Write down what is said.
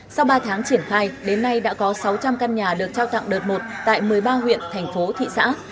sau ba tháng triển khai đến nay đã có sáu trăm linh căn nhà được trao tặng đợt một tại một mươi ba huyện thành phố thị xã